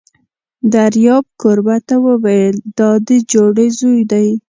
دریاب کوربه ته وویل: دا دې جوړې زوی دی!